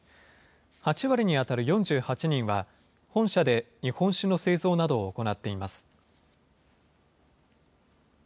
８割に当たる４８人は、本社で日本酒の製造などを行っています。